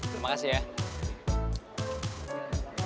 terima kasih ya